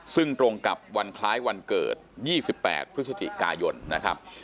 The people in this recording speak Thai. ซึ่งตรงกับวันคล้ายวันเกิด๒๘พฤศจิกายนนะครับ